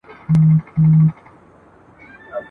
د سېل اوبو اخیستی خلی یمه ..